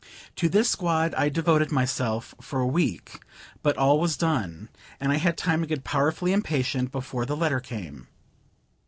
To this squad I devoted myself for a week; but all was done, and I had time to get powerfully impatient before the letter came.